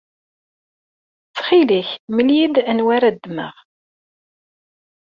Ttxil-k, mel-iyi-d anwa ara ddmeɣ.